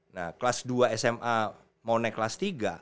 nah kelas dua sma mau naik kelas tiga